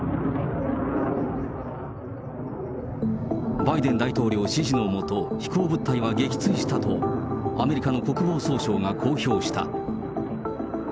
バイデン大統領指示の下、飛行物体は撃墜したと、アメリカの国防総省が公表した。